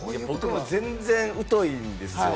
全然疎いんですよ。